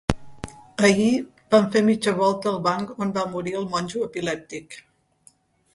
Ahir, vam fer mitja volta al banc on va morir el monjo epilèptic.